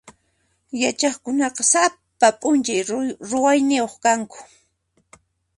Yachaqkunaqa sapa p'unchay ruwayniyuq kanku.